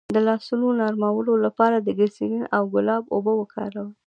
د لاسونو نرمولو لپاره د ګلسرین او ګلاب اوبه وکاروئ